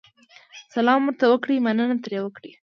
سلام ورته وکړئ، مننه ترې وکړئ.